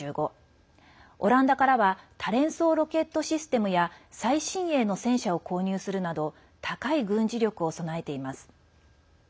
オランダからは多連装ロケットシステムや最新鋭の戦車を購入するなど高い軍事力を備えています。